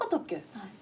はい。